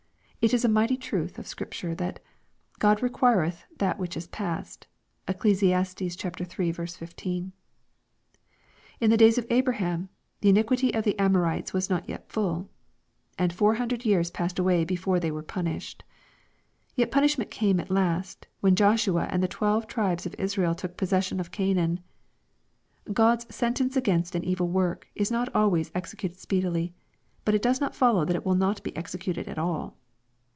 It is a mighty truth of Scripture, that " God requireth that which is past." (Eccles. iii. 15.) In the days of Abra ham " the iniquity of the Amorites was not yet full,'' and four hundred years passed away before they were punished. Yet punishment came at last, when Joshua and the twelve tribes of Israel took possession of Canaan« — God's *^ sentence against an evil work" is not always executed speedily, but it does not follow that it will not be executed at all.